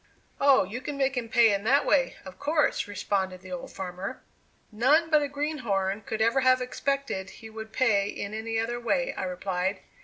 "Oh, you can make him pay in that way, of course," responded the old farmer. "None but a greenhorn could ever have expected he would pay in any other way," I replied.